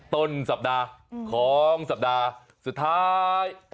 ต้นสัปดาห์ของสัปดาห์สุดท้าย